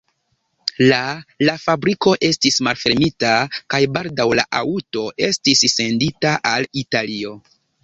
La la fabriko estis malfermita kaj baldaŭ la aŭto estis sendita al Italio.